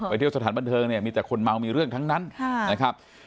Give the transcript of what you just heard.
เที่ยวสถานบันเทิงเนี่ยมีแต่คนเมามีเรื่องทั้งนั้นนะครับ